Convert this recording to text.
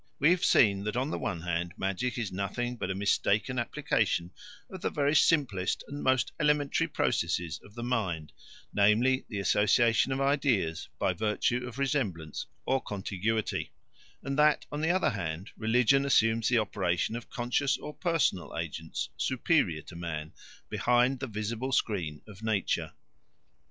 We have seen that on the one hand magic is nothing but a mistaken application of the very simplest and most elementary processes of the mind, namely the association of ideas by virtue of resemblance or contiguity; and that on the other hand religion assumes the operation of conscious or personal agents, superior to man, behind the visible screen of nature.